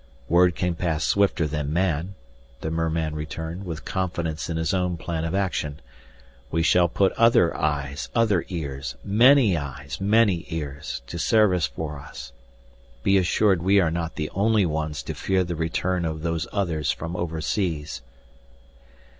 "Word can pass swifter than man," the merman returned, with confidence in his own plan of action. "We shall put other eyes, other ears, many eyes, many ears, to service for us. Be assured we are not the only ones to fear the return of Those Others from overseas."